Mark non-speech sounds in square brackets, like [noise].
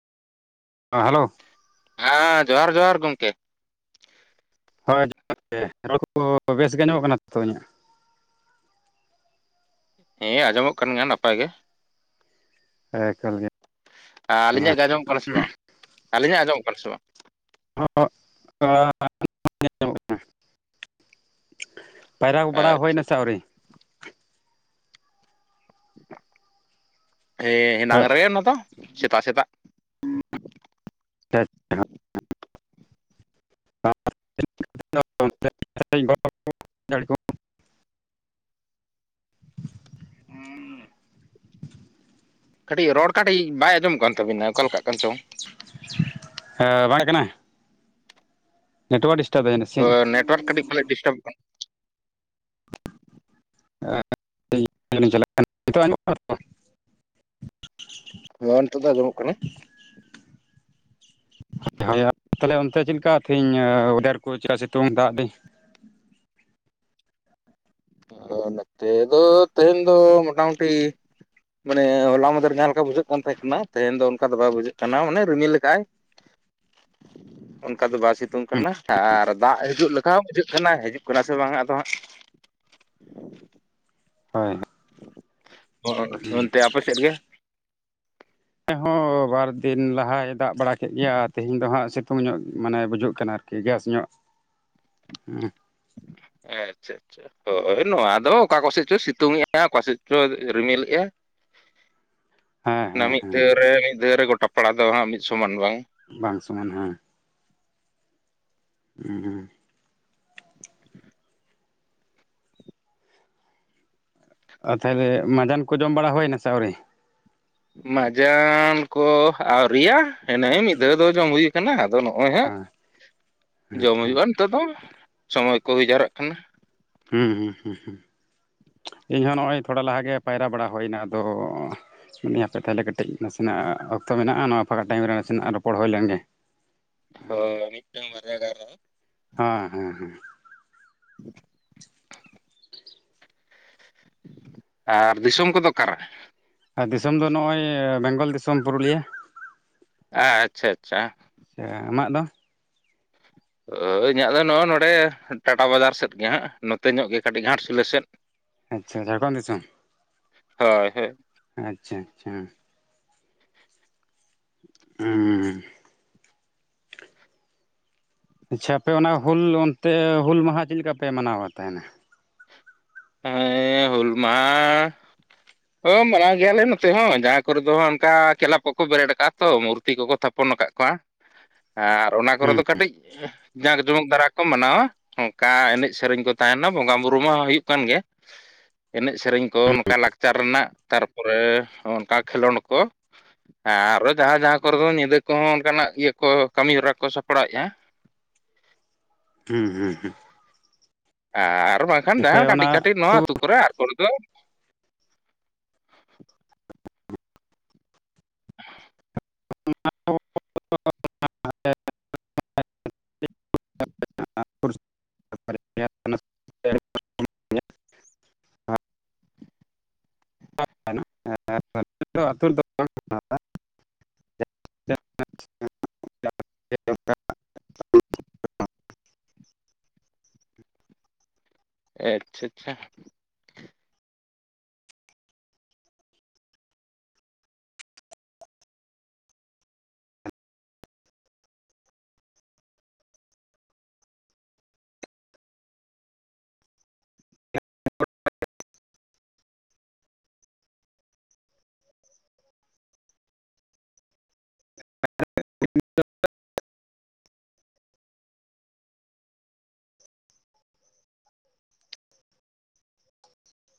ᱦᱮᱸ ᱦᱮᱞᱳ ᱦᱮᱸ ᱡᱚᱦᱟᱸᱨ ᱡᱚᱦᱟᱸᱨ ᱜᱚᱢᱠᱮ ᱦᱳᱭ ᱡᱚᱦᱟᱸᱨ ᱜᱮ ᱨᱚᱲ ᱠᱚ ᱵᱮᱥ ᱜᱮ ᱧᱟᱢᱚᱜ ᱠᱟᱱᱟ ᱛᱚ ᱤᱧᱟᱹᱜ ᱦᱮᱸ ᱟᱸᱡᱚᱢᱚᱜ ᱠᱟᱱ ᱜᱮᱭᱟ ᱱᱟᱯᱟᱭ ᱜᱮ ᱮᱠᱟᱞ ᱜᱮ ᱢᱟ ᱟᱹᱞᱤᱧᱟᱜ ᱜᱮ ᱟᱸᱡᱚᱢᱚᱜ ᱠᱟᱱᱟ ᱥᱮ ᱵᱟᱝ ᱟᱹᱞᱤᱧᱟᱜ ᱟᱸᱡᱚᱢᱚᱜ ᱠᱟᱱᱟ ᱥᱮ ᱵᱟᱝ ᱟᱡᱚᱢᱚᱜ ᱠᱟᱱᱟ ᱯᱟᱭᱨᱟ ᱵᱟᱲᱟ ᱦᱩᱭ ᱟᱪᱪᱷᱟ ᱱᱟᱥᱮ ᱟᱪᱪᱷᱟ ᱟᱹᱣᱨᱤ ᱦᱮᱸ ᱦᱮᱱᱟᱝ ᱨᱮ ᱚᱱᱟ ᱫᱚ ᱥᱮᱛᱟᱜ ᱥᱮᱛᱟᱜ ᱟᱪᱪᱷᱟ [unintelligible] ᱩᱸ ᱠᱟᱹᱴᱤᱡ ᱨᱚᱲ ᱠᱟᱹᱴᱤᱡ ᱵᱟᱭ ᱟᱸᱡᱚᱢᱚᱜ ᱠᱟᱱ ᱛᱟᱵᱤᱱᱟ ᱚᱠᱟ ᱞᱮᱠᱟᱜ ᱠᱟᱱ ᱪᱚᱝ, ᱦᱮᱸ ᱵᱟᱝ ᱦᱮᱡ ᱠᱟᱱᱟ, ᱱᱮᱴᱣᱟᱨᱠ ᱰᱤᱥᱴᱟᱵ ᱮᱫ ᱟᱭ ᱱᱟᱥᱮ ᱦᱳᱭ ᱱᱮᱴᱳᱣᱟᱨᱠ ᱠᱟᱹᱴᱤᱡ ᱯᱟᱞᱮ ᱰᱤᱥᱴᱟᱵᱚᱜ ᱠᱟᱱᱟ, [unintelligible] ᱪᱟᱞᱟᱜ ᱠᱟᱱᱟ ᱱᱤᱛᱚᱜ ᱟᱡᱚᱢᱚᱜ ᱠᱟᱱᱟ ᱥᱮ ᱵᱟᱝ? ᱱᱚᱜ-ᱚᱭ ᱱᱤᱛᱚᱜ ᱫᱚ ᱟᱸᱡᱚᱢᱚᱜ ᱠᱟᱱᱟ, [inaudible] [inaudible] ᱦᱳᱭ ᱦᱳᱭ ᱟᱨ ᱛᱟᱦᱚᱞᱮ ᱚᱱᱛᱮ ᱪᱮᱫ ᱞᱮᱠᱟ ᱛᱮᱦᱮᱧ ᱳᱰᱮᱨ ᱠᱚ ᱪᱮᱠᱟ ᱥᱤᱛᱩᱝ ᱫᱟᱜ ᱫᱤᱧ ᱟ ᱱᱚᱛᱮ ᱫᱚ ᱛᱮᱦᱮᱧ ᱫᱚ ᱢᱚᱴᱟᱢᱩᱴᱤ, ᱢᱟᱱᱮ ᱦᱚᱞᱟ ᱢᱟᱫᱮᱨ ᱡᱟᱦᱟᱸ ᱞᱮᱠᱟ ᱵᱩᱡᱷᱟᱹᱜ ᱠᱟᱱ ᱛᱟᱦᱮᱜ ᱠᱟᱱᱟ ᱛᱮᱦᱮᱧ ᱫᱚ ᱚᱱᱠᱟ ᱫᱚ ᱵᱟᱭ ᱵᱩᱡᱷᱟᱹᱜ ᱠᱟᱱᱟ ᱢᱟᱱᱮ ᱨᱤᱢᱤᱞᱟ ᱠᱟᱜᱼᱟᱭ, [inaudible] ᱚᱱᱠᱟ ᱫᱚ ᱵᱟᱭ ᱥᱤᱛᱩᱝ ᱠᱟᱱᱟ ᱟᱨ ᱫᱟᱜ ᱦᱤᱡᱩᱜ ᱞᱮᱠᱟ ᱦᱚᱸ ᱵᱩᱡᱷᱟᱹᱜ ᱠᱟᱱᱟ ᱦᱤᱡᱩᱜ ᱠᱟᱱᱟ ᱥᱮ ᱵᱟᱝᱟ ᱟᱫᱚ ᱦᱟᱸᱜ, ᱦᱳᱭ, ᱦᱚᱭ ᱚᱱᱛᱮ ᱛᱮ ᱟᱯᱮ ᱥᱮᱫ ᱜᱮ, ᱚᱱᱛᱮ ᱦᱚᱸ ᱵᱟᱨ ᱫᱤᱱ ᱞᱟᱦᱟᱭ ᱫᱟᱜ ᱵᱟᱲᱟ ᱠᱮᱫ ᱜᱮᱭᱟ ᱛᱮᱦᱤᱧ ᱫᱚ ᱦᱟᱸᱜ ᱥᱤᱛᱩᱝ ᱧᱚᱜ ᱢᱟᱱᱮ ᱵᱩᱡᱚᱜ ᱠᱟᱱᱟ ᱟᱨᱠᱤ ᱜᱮᱥ ᱧᱚᱜ, ᱦᱩᱸ, ᱮᱸ ᱟᱪᱪᱷᱟ ᱟᱪᱪᱷᱟ, ᱦᱳᱭ ᱱᱚᱣᱟ ᱫᱚ ᱚᱠᱟ ᱠᱚ ᱥᱮᱫ ᱪᱚᱭ ᱥᱤᱛᱩᱝ ᱮᱫᱼᱟ ᱚᱠᱟ ᱥᱮᱫ ᱪᱚᱭ ᱨᱤᱢᱤᱞ ᱮᱫᱼᱟ, [inaudible] ᱚᱱᱟ ᱢᱤᱫ ᱦᱮᱸ ᱫᱷᱟᱹᱣ ᱨᱮ ᱢᱤᱫ ᱫᱷᱟᱹᱣ ᱨᱮ ᱜᱚᱴᱟ ᱯᱟᱲᱟ ᱫᱚ ᱦᱟᱸᱜ ᱢᱤᱫ ᱥᱚᱢᱟᱱ ᱵᱟᱝ ᱵᱟᱝ ᱥᱚᱢᱟᱱ ᱚᱜ-ᱟ, ᱦᱩᱸ ᱦᱩᱸ ᱟᱨ ᱛᱟᱦᱚᱞᱮ ᱢᱟᱡᱟᱱ ᱠᱚ ᱡᱚᱢ ᱵᱟᱲᱟ ᱦᱩᱭᱱᱟ ᱥᱮ ᱟᱹᱣᱨᱤ? ᱢᱟᱡᱟᱱ ᱠᱚ ᱟᱣᱨᱤᱭᱟ ᱮᱱᱮ ᱢᱤᱫ ᱫᱷᱟᱹᱣ ᱫᱚ ᱡᱚᱢ ᱦᱩᱭᱩᱜ, ᱠᱟᱱᱟ ᱟᱫᱚ ᱱᱚᱜᱼᱚᱭ ᱦᱟᱸᱜ ᱦᱮᱸ ᱦᱮᱸ ᱡᱚᱢ ᱦᱮᱸ ᱦᱩᱭᱩᱜᱼᱟ ᱱᱤᱛᱚᱜ ᱫᱚ ᱥᱚᱢᱚᱭ ᱠᱚ ᱦᱩᱭ ᱡᱟᱣᱨᱟᱜ ᱠᱟᱱᱟ, ᱦᱩᱸ ᱦᱩᱸ ᱦᱩᱸ ᱦᱩᱸ ᱤᱧ ᱦᱚᱸ ᱱᱚᱜᱼᱚᱭ ᱛᱷᱚᱲᱟ ᱞᱟᱦᱟᱜᱮ ᱯᱟᱭᱨᱟ ᱵᱟᱲᱟ ᱦᱩᱭᱱᱟ ᱟᱫᱚ ᱢᱮᱱᱮᱫ ᱟᱹᱧ ᱦᱟᱯᱮ ᱛᱟᱦᱚᱞᱮ ᱠᱟᱹᱴᱤᱡ ᱱᱟᱥᱮ ᱱᱟᱜ ᱚᱠᱛᱚ ᱢᱮᱱᱟᱜᱼᱟ ᱱᱚᱣᱟ ᱯᱷᱟᱠᱟ ᱴᱟᱭᱤᱢ ᱨᱮ ᱱᱟᱥᱮᱱᱟᱜ ᱨᱚᱯᱚᱲ ᱦᱩᱭ ᱞᱮᱱᱜᱮ, ᱦᱳᱭ ᱢᱤᱫᱴᱟᱝ ᱵᱟᱨᱮᱭᱟ ᱜᱟᱨ ᱨᱮᱦᱚᱸ ᱦᱮᱸ ᱦᱮᱸ ᱦᱮᱸ, [inaudible] [inaudible] ᱟᱨ ᱫᱤᱥᱚᱢ ᱠᱚᱫᱚ ᱚᱠᱟᱨᱮ? ᱟᱨ ᱫᱤᱥᱚᱢ ᱫᱚ ᱱᱚᱜᱼᱚᱭ ᱵᱮᱝᱜᱚᱞ ᱫᱤᱥᱚᱢ ᱯᱩᱨᱩᱞᱤᱭᱟᱹ, ᱟᱪᱪᱷᱟ ᱟᱪᱪᱷᱟ, ᱪᱷᱟ ᱟᱢᱟᱜ ᱫᱚ? ᱚᱸ ᱤᱧᱟᱹᱜ ᱫᱚ ᱱᱚᱜᱼᱚᱭ ᱱᱚᱸᱰᱮ ᱴᱟᱴᱟ ᱵᱟᱡᱟᱨ ᱥᱮᱫ ᱜᱮ ᱦᱟᱸᱜ ᱱᱚᱛᱮ ᱧᱚᱜ ᱜᱮ ᱠᱟᱹᱴᱤᱡ ᱜᱷᱟᱴᱥᱤᱞᱟᱹ ᱥᱮᱫ, ᱟᱪᱪᱷᱟ ᱡᱷᱟᱲᱠᱷᱚᱸᱰ ᱫᱤᱥᱚᱢ ᱦᱳᱭ ᱦᱳᱭ ᱟᱪᱪᱷᱟ ᱟᱪᱪᱷᱟ, [unintelligible] ᱟᱪᱪᱷᱟ ᱟᱯᱮ ᱚᱱᱟ ᱦᱩᱞ ᱚᱱᱛᱮ ᱦᱩᱞ ᱢᱟᱦᱟ ᱪᱮᱫ ᱞᱮᱠᱟ ᱯᱮ ᱢᱟᱱᱟᱣ ᱮᱫ ᱛᱟᱦᱮᱱᱟ? ᱮ ᱦᱩᱞ ᱢᱟᱦᱟ ᱦᱚᱸ ᱢᱟᱱᱟᱣ ᱜᱮᱭᱟᱞᱮ ᱱᱚᱛᱮ ᱦᱚᱸ ᱡᱟᱦᱟᱸ ᱠᱚᱨᱮ ᱫᱚ ᱚᱱᱠᱟ ᱠᱮᱞᱟᱯ ᱠᱚ ᱠᱚ ᱵᱮᱨᱮᱫ ᱟᱠᱟᱜᱼᱟ ᱛᱚ ᱢᱩᱨᱛ ᱛᱤ ᱠᱚ ᱠᱚ ᱛᱷᱟᱯᱚᱱᱟ ᱠᱟᱫ ᱠᱚᱣᱟ, [inaudible] ᱟᱨ ᱚᱱᱟ ᱠᱚᱨᱮ ᱦᱩᱸ ᱫᱚ ᱠᱟᱹᱴᱤᱡ ᱮᱸ ᱡᱟᱸᱠ ᱡᱚᱢᱚᱠ ᱫᱷᱟᱨᱟ ᱠᱚ ᱢᱟᱱᱟᱣᱟ ᱚᱱᱠᱟ ᱮᱱᱮᱡ ᱥᱮᱨᱮᱧ ᱠᱚ ᱛᱟᱦᱮᱱᱟ ᱵᱚᱸᱜᱟ ᱵᱩᱨᱩ ᱢᱟ ᱦᱩᱭᱩᱜ ᱠᱟᱱ ᱜᱮ ᱮᱱᱮᱡ ᱥᱮᱨᱮᱧ ᱠᱚ ᱱᱚᱝᱠᱟ ᱞᱟᱠᱪᱟᱨ ᱨᱮᱱᱟᱜ ᱛᱟᱨᱚᱠ, ᱯᱚᱨᱮ ᱦᱚᱸ ᱚᱱᱠᱟ ᱠᱷᱮᱞᱳᱱᱰ ᱠᱚ, ᱦᱮᱸ ᱟᱨᱚ ᱡᱟᱦᱟᱸ ᱡᱟᱦᱟᱸ ᱠᱚᱨᱮ ᱫᱚ ᱧᱤᱫᱟᱹ ᱠᱚᱦᱚᱸ ᱚᱱᱠᱟᱱᱟᱜ ᱤᱭᱟᱹ ᱠᱚ ᱠᱟᱹᱢᱤ ᱦᱚᱨᱟ ᱠᱚ ᱥᱟᱯᱲᱟᱣᱮᱫᱼᱟ, ᱦᱩᱸ ᱦᱩᱸ ᱦᱩᱸ, ᱟᱨ ᱵᱟᱝᱠᱷᱟᱱ ᱟᱯᱮ ᱡᱟᱦᱟᱸᱱ ᱚᱱᱟ ᱠᱟᱹᱴᱤᱡ ᱠᱟᱹᱴᱤᱡ ᱱᱚᱣᱟ ᱟᱹᱛᱩ ᱠᱚᱨᱮ ᱟᱨ ᱠᱚᱨᱮ ᱫᱚ [unintelligible] [unintelligible] [inaudible] [unintelligible] ᱦ [inaudible] ᱛ ᱨᱮᱫᱚ [unintelligible] [unintelligible] ᱟᱪᱪᱷᱟ ᱟᱪᱪᱷᱟ [unintelligible] [unintelligible]